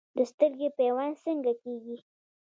د سترګې پیوند څنګه کیږي؟